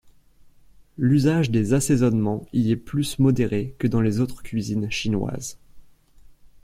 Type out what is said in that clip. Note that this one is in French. L'usage des assaisonnements y est plus modéré que dans les autres cuisines chinoises.